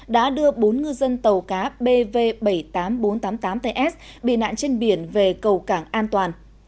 đã đưa bốn ngư dân tàu cá bv bảy mươi tám nghìn bốn trăm tám mươi tám ts bị nạn trên biển về cầu cảng an toàn